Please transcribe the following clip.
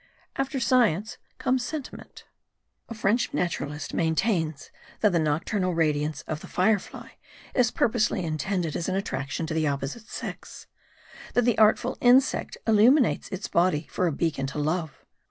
After science comes sentiment. A French naturalist maintains, that the nocturnal radi ance of the fire fly is purposely intended as an attraction to the opposite sex ; that the artful insect illuminates its body for a beacon to love.